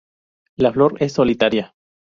La flor es solitaria.